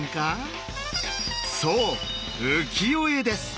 そう「浮世絵」です。